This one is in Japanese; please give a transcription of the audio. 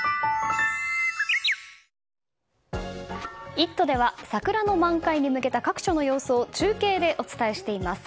「イット！」では桜の満開に向けた各所の様子を中継でお伝えしています。